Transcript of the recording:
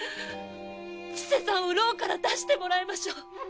千世さんを牢から出してもらいましょう。